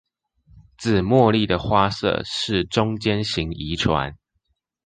紫茉莉的花色是中間型遺傳